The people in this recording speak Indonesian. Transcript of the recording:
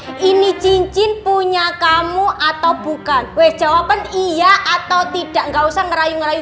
jawab ini cincin punya kamu atau bukan weh jawaban iya atau tidak enggak usah ngerayu rayu